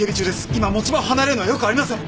今持ち場を離れるのはよくありません。